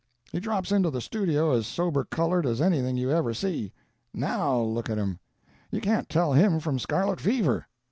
He drops into the stoodio as sober colored as anything you ever see: now look at him. You can't tell him from scarlet fever.